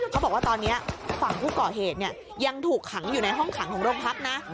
เขาบอกว่าตอนนี้ฝั่งผู้ก่อเหตุยังถูกขังอยู่ในห้องขังของโรงพักนะ